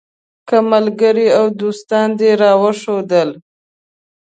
که ملګري او دوستان دې راوښودل.